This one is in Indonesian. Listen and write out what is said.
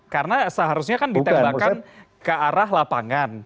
karena seharusnya kan ditembakkan ke arah lapangan